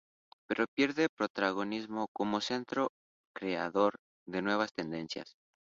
Pero pierde protagonismo como centro creador de nuevas tendencias.